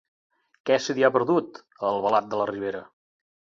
Què se t'hi ha perdut, a Albalat de la Ribera?